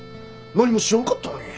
何も知らんかったのに。